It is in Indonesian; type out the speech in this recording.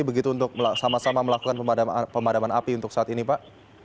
begitu untuk sama sama melakukan pemadaman api untuk saat ini pak